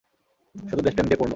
শুধু দেশপ্রেম দিয়ে পূর্ণ।